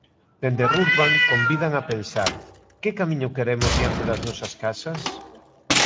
Dende Rurban convidan a pensar: que camiño queremos diante das nosas casas?